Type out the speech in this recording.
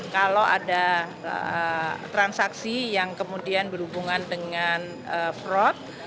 kalau ada transaksi yang kemudian berhubungan dengan fraud